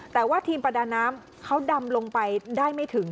แต่ว่าทีมประดาน้ำเขาดำลงไปได้ไม่ถึง